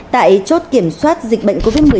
tại chốt kiểm soát dịch bệnh covid một mươi chín